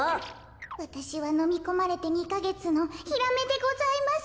わたしはのみこまれて２かげつのヒラメでございます。